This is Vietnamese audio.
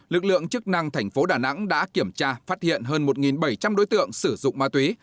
lực lượng chức năng thành phố đà nẵng đã kiểm tra phát hiện hơn một bảy trăm linh đối tượng sử dụng ma túy